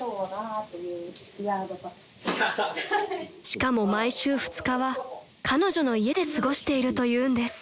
［しかも毎週２日は彼女の家で過ごしているというんです］